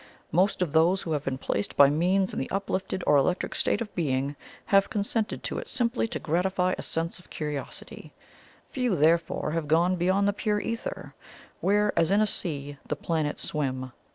Most of those who have been placed by my means in the Uplifted or Electric state of being, have consented to it simply to gratify a sense of curiosity few therefore have gone beyond the pure ether, where, as in a sea, the planets swim.